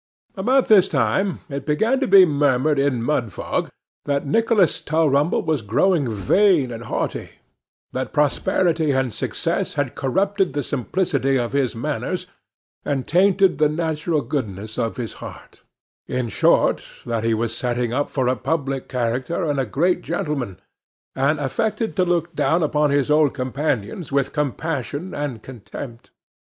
About this time, it began to be murmured in Mudfog that Nicholas Tulrumble was growing vain and haughty; that prosperity and success had corrupted the simplicity of his manners, and tainted the natural goodness of his heart; in short, that he was setting up for a public character, and a great gentleman, and affected to look down upon his old companions with compassion and contempt.